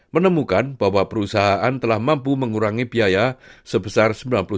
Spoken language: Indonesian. menemukan bahwa perusahaan telah mampu mengurangi biaya sebesar sembilan puluh sembilan